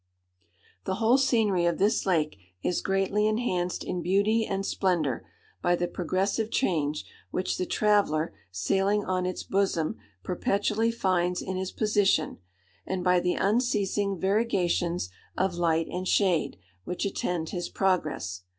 "The whole scenery of this lake is greatly enhanced in beauty and splendour, by the progressive change which the traveller sailing on its bosom perpetually finds in his position, and by the unceasing variegations of light and shade which attend his progress.